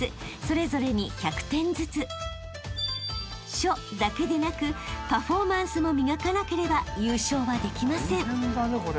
［書だけでなくパフォーマンスも磨かなければ優勝はできません］